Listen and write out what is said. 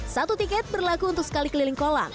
satu tiket berlaku untuk sekali keliling kolam